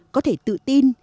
có thể tự tin